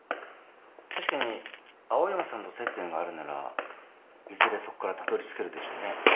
確かに青山さんと接点があるならいずれそこからたどりつけるでしょうね。